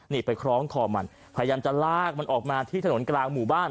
นี่ไปคล้องคอมันพยายามจะลากมันออกมาที่ถนนกลางหมู่บ้าน